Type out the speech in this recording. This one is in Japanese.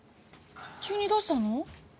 急にどうしたの？